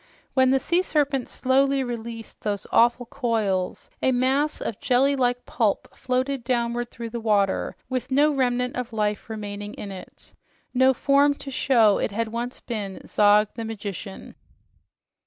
When the sea serpent slowly released those awful coils, a mass of jelly like pulp floated downward through the water with no remnant of life remaining in it, no form to show it had once been Zog, the Magician.